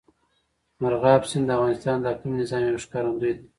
مورغاب سیند د افغانستان د اقلیمي نظام یو ښکارندوی دی.